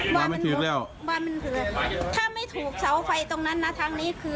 บ้านมันถูกแล้วบ้านมันคืออะไรถ้าไม่ถูกเสาไฟตรงนั้นนะทางนี้คือ